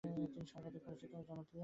তিনি সর্বাধিক পরিচিত ও জনপ্রিয়।